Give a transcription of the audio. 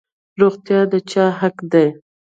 روغتیا د چا حق دی؟